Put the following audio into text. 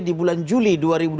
di bulan juli dua ribu dua puluh